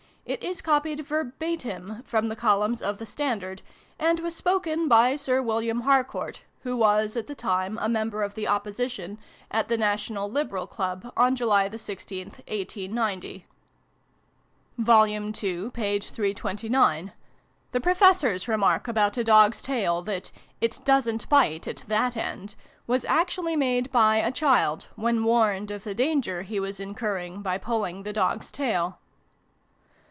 It is copied ver batim from the columns of the Standard, and was spoken by Sir William Harcourt, who was, at the time, a member of the ' Opposition,' at the ' National Liberal Club,' on July the i6th, 1890. II. p. 329. The Professor's remark, about a dog's tail, that " it doesn't bite at that end," was actually made by a child, when warned of the danger he was incurring by pulling the dog's tail.